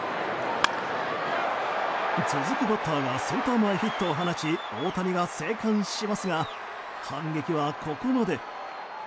続くバッターがセンター前ヒットを放ち大谷が生還しますが反撃はここまで。